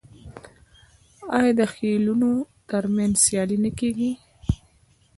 آیا د خیلونو ترمنځ سیالي نه کیږي؟